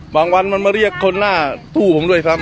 วันมันมาเรียกคนหน้าตู้ผมด้วยครับ